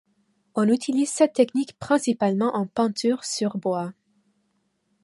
On utilise cette technique principalement en peinture sur bois.